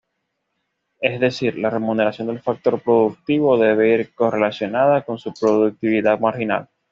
Es decir, la remuneración del factor productivo debe ir correlacionada con su productividad marginal.